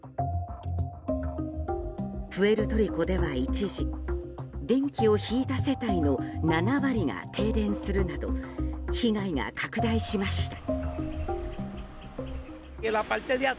プエルトリコでは一時電気を引いた世帯の７割が停電するなど被害が拡大しました。